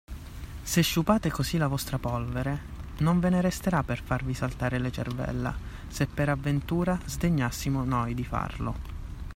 Se sciupate così la vostra polvere, non ve ne resterà per farvi saltare le cervella, se per avventura sdegnassimo noi di farlo.